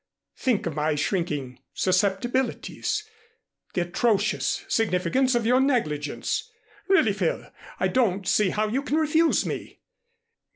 Think of my shrinking susceptibilities, the atrocious significance of your negligence. Really, Phil, I don't see how you can refuse me!"